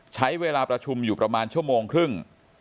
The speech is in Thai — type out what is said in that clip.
ใช้เวลาประชุมอยู่ประมาณชั่วโมงครึ่ง